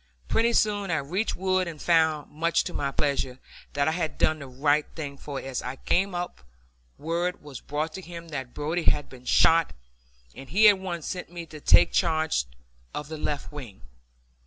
Pretty soon I reached Wood and found, much to my pleasure, that I had done the right thing, for as I came up word was brought to him that Brodie had been shot, and he at once sent me to take charge of the left wing.